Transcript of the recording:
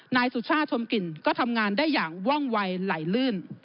นายสุชาติชมกลิ่นก็ทำงานได้อย่างว่องวัยไหลลื่น